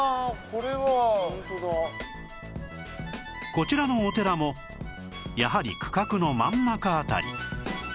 こちらのお寺もやはり区画の真ん中辺り